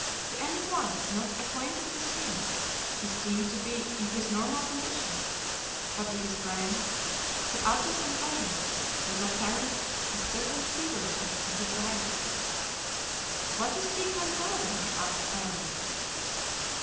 To any one not acquainted with him he seemed to be in his normal condition; but to his friends—to Athos and Aramis—was apparent a certain feverishness in his gayety. "What is he contriving?" asked Aramis.